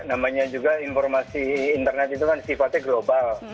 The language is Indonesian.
namanya juga informasi internet itu kan sifatnya global